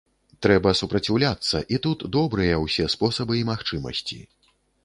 Трэба супраціўляцца, і тут добрыя ўсе спосабы і магчымасці.